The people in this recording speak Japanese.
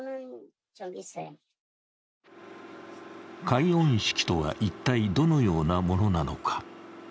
解怨式とは一体、どのようなものなのか。